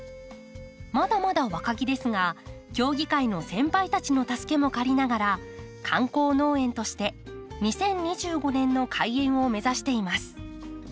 まだまだ若木ですが協議会の先輩たちの助けも借りながら観光農園として２０２５年の開園を目指しています。